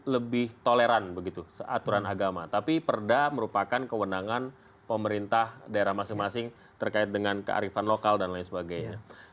lebih toleran begitu aturan agama tapi perda merupakan kewenangan pemerintah daerah masing masing terkait dengan kearifan lokal dan lain sebagainya